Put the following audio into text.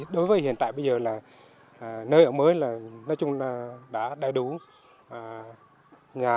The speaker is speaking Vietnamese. đối với hiện tại bây giờ là nơi ở mới là nói chung là đã đầy đủ nhà